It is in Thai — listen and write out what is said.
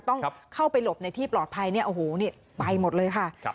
ต้องเข้าไปหลบในที่ปลอดภัยเนี่ยโอ้โหนี่ไปหมดเลยค่ะ